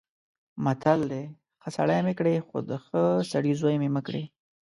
متل دی: ښه سړی مې کړې خو د ښه سړي زوی مې مه کړې.